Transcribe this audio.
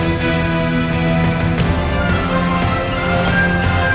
atasmu siapkan kakang